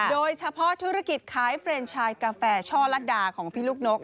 โดยเฉพาะธุรกิจขายเฟรนชายกาแฟช่อลัดดาของพี่ลูกนก